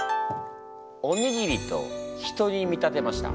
おにぎりと人に見立てました。